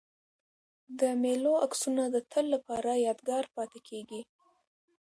د مېلو عکسونه د تل له پاره یادګار پاته کېږي.